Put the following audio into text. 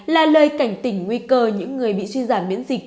là lời cảnh tỉnh nguy cơ những người bị suy giảm miễn dịch